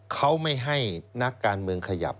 เขาไม่ให้นักการเมืองขยับ